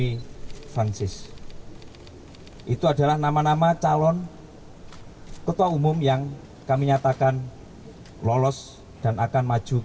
industria apa nih gdps ataupunafa itu semua